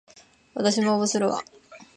わたしも応募するわ